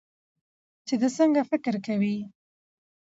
چې د څنګه فکر کوي